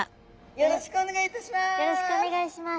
よろしくお願いします。